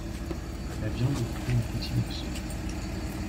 La viande est coupée en petits morceaux.